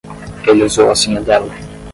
Ele usou a senha dela.